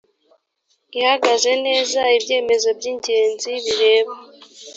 ihagaze neza ibyemezo by ingenzi bireba